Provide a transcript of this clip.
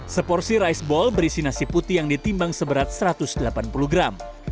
seporsi rice ball berisi nasi putih yang ditimbang seberat satu ratus delapan puluh gram